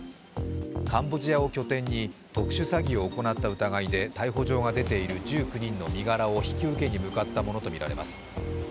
カンボジアを拠点に特殊詐欺を行った疑いで逮捕状が出ている１９人の身柄を引き受けに向かったものとみられます。